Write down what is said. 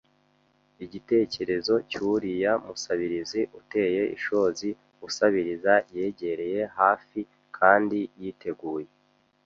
igitekerezo cyuriya musabirizi uteye ishozi usabiriza yegereye hafi kandi yiteguye